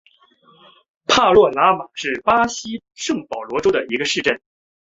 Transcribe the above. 帕诺拉马是巴西圣保罗州的一个市镇。